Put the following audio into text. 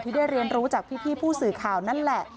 ได้เรียนรู้จากพี่ผู้สื่อข่าวนั่นแหละ